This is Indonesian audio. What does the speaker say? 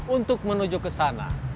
untuk menuju kesana